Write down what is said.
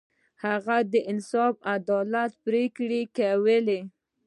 هغه د انصاف او عدالت پریکړې کولې.